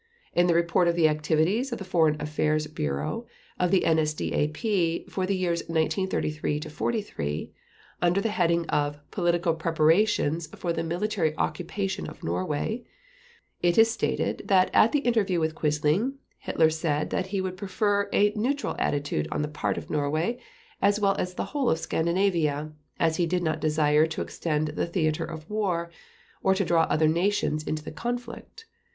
In the report of the activities of the Foreign Affairs Bureau of the NSDAP for the years 1933 43, under the heading of "Political Preparations for the Military Occupation of Norway", it is stated that at the interview with Quisling Hitler said that he would prefer a neutral attitude on the part of Norway as well as the whole of Scandinavia, as he did not desire to extend the theater of war, or to draw other nations into the conflict.